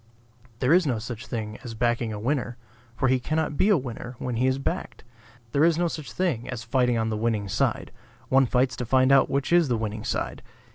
There is no such thing as backing a winner; for he cannot be a winner when he is backed. There is no such thing as fighting on the winning side; one fights to find out which is the winning side.